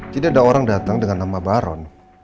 jadi ada orang datang dengan nama baron